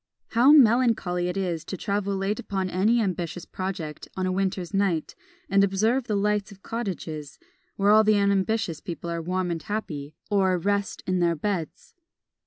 "How melancholy is it to travel late upon any ambitious project on a winter's night, and observe the light of cottages, where all the unambitious people are warm and happy, or at rest in their beds."